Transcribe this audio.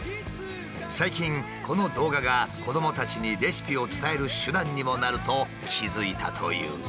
最近この動画が子どもたちにレシピを伝える手段にもなると気付いたという。